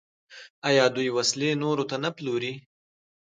آیا دوی وسلې نورو ته نه پلوري؟